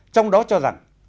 trong đó cho rằng